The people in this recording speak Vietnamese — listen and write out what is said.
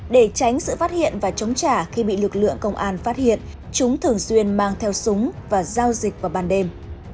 để tránh sự phát hiện và chống trả khi bị lực lượng công an phát hiện chúng thường xuyên mang theo súng và giao dịch vào ban đêm